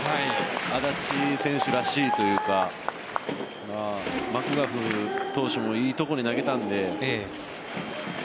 安達選手らしいというかマクガフ投手もいいところに投げたので。